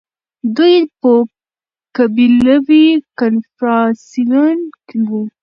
دوی يو قبيلوي کنفدراسيون وو